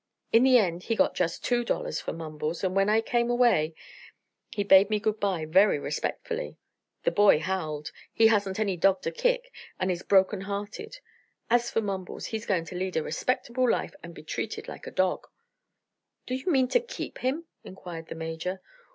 "In the end he got just two dollars for Mumbles, and when I came away he bade me good bye very respectfully. The boy howled. He hasn't any dog to kick and is broken hearted. As for Mumbles, he's going to lead a respectable life and be treated like a dog." "Do you mean to keep him?" inquired the Major.